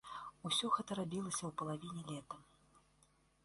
Усё гэта рабілася ў палавіне лета.